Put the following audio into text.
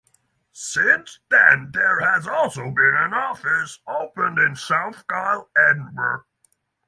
Since then there has also been an office opened in South Gyle, Edinburgh.